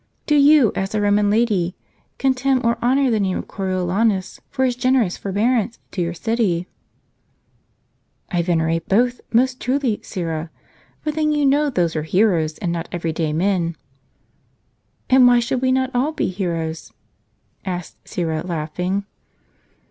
Do you, as a Koman lady, contemn or honor the name of Coriolanus, for his generous forbearance to your city ?" "I venerate both, most truly, Syra; but then you know those were heroes, and not every day men." "And why should we not all be heroes?" asked Syra, laughing.